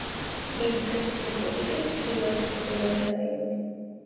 ინგუშეთის რესპუბლიკის ჩრდილოეთით მდებარე რაიონი.